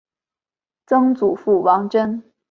曾祖父王珍。